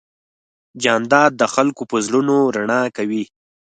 جانداد د خلکو په زړونو رڼا کوي.